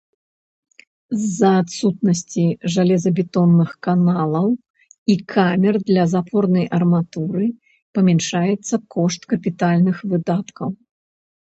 З-за адсутнасці жалезабетонных каналаў і камер для запорнай арматуры памяншаецца кошт капітальных выдаткаў.